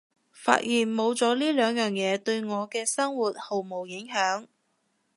發現冇咗呢兩樣嘢對我嘅生活毫無影響